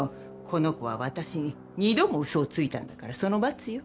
この子は私に２度も嘘をついたんだからその罰よ。